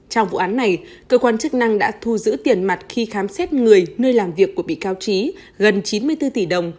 trong vụ án này cơ quan chức năng đã thu giữ tiền mặt khi khám xét người nơi làm việc của bị cáo trí gần chín mươi bốn tỷ đồng